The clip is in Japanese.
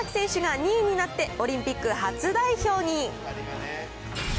マラソン３回目の赤崎選手が２位になって、オリンピック初代表に。